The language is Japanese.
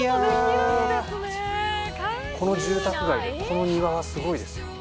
この住宅街でこの庭はすごいですよ。